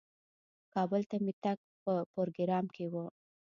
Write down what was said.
کابل ته مې تګ په پروګرام کې و.